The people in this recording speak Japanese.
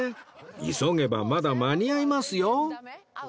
急げばまだ間に合いますよ